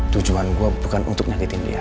tujuan gua bukan untuk menyakitin dia